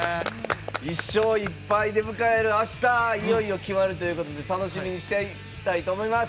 １勝１敗で迎える、あしたいよいよ、決まるということで楽しみにしていたいと思います。